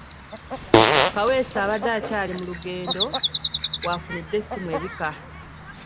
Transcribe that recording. Kaweesa abadde akyali mu lugendo w'afunidde essimu ebika.